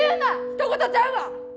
ひと事ちゃうわ！